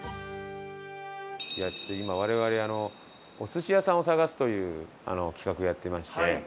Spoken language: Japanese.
ちょっと今我々お寿司屋さんを探すという企画をやっていまして。